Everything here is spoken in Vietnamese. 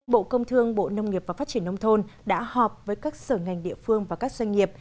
bộ công thương bộ nông nghiệp và phát triển nông thôn đã họp với các sở ngành địa phương và các doanh nghiệp